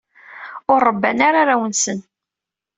Ur rebban ara arraw-nsen.